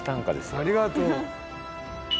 ありがとう。